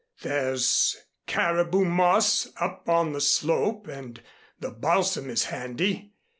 There's caribou moss up on the slope and the balsam is handy.